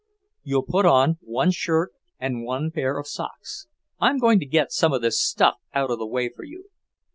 "You'll put on one shirt and one pair of socks. I'm going to get some of this stuff out of the way for you."